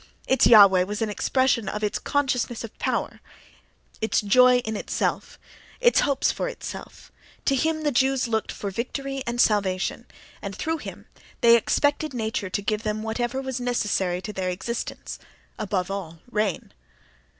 Its Jahveh was an expression of its consciousness of power, its joy in itself, its hopes for itself: to him the Jews looked for victory and salvation and through him they expected nature to give them whatever was necessary to their existence—above all, rain.